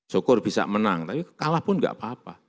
syukur bisa menang tapi kalah pun nggak apa apa